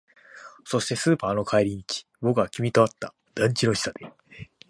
そして、スーパーの帰り道、僕は君と会った。団地の下で。